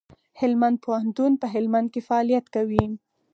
هلمند پوهنتون په هلمند کي فعالیت کوي.